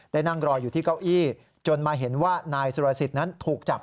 นั่งรออยู่ที่เก้าอี้จนมาเห็นว่านายสุรสิทธิ์นั้นถูกจับ